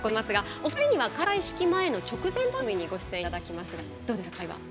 お二人には開会式前の直前番組にご出演いただきますが期待はどうですか。